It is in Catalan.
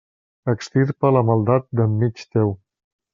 Extirpa la maldat d'enmig teu.